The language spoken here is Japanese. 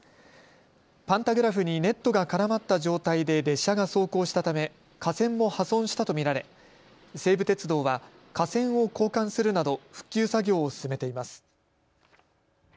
パンタグラフにネットが絡まった状態で列車が走行したため架線が破損とみられ西武鉄道は、架線を交換するなど復旧作業を進めています。